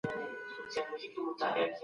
زما د زړه د كـور ډېـوې خلګ خبــري كوي